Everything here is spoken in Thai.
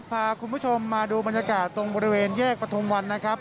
พาคุณผู้ชมมาดูบรรยากาศตรงบริเวณแยกประทุมวันนะครับ